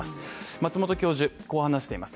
松本教授、こう話しています。